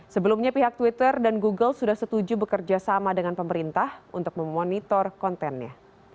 sebelumnya pihak twitter dan google sudah setuju bekerja sama dengan pemerintah untuk memonitor kontennya